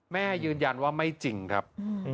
แม่ยืนยันว่าไม่จริงครับ